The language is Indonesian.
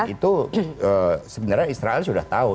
itu sebenarnya israel sudah tahu